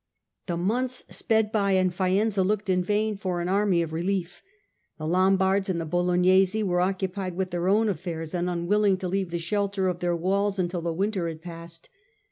The months sped by and Faenza looked in vain for an army of relief. The Lombards and the Bolognese were occupied with their own affairs and unwilling to leave the shelter of their walls until the winter had passed.